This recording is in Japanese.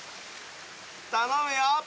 頼むよ。